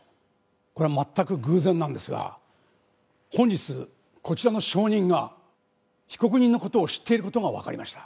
これは全く偶然なんですが本日こちらの証人が被告人の事を知っている事がわかりました。